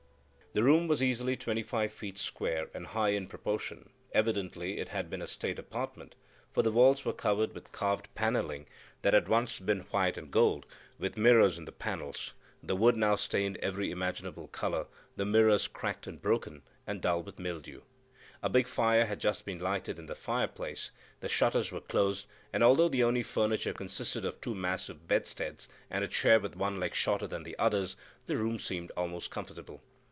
The room was easily twenty five feet square, and high in proportion; evidently it had been a state apartment, for the walls were covered with carved panelling that had once been white and gold, with mirrors in the panels, the wood now stained every imaginable color, the mirrors cracked and broken, and dull with mildew. A big fire had just been lighted in the fireplace, the shutters were closed, and although the only furniture consisted of two massive bedsteads, and a chair with one leg shorter than the others, the room seemed almost comfortable.